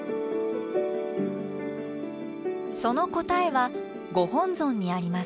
その答えはご本尊にあります。